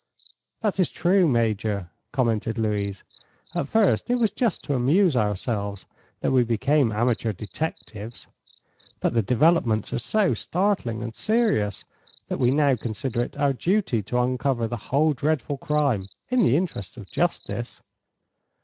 "That is true, Major," commented Louise. "At first it was just to amuse ourselves that we became amateur detectives, but the developments are so startling and serious that we now consider it our duty to uncover the whole dreadful crime, in the interests of justice."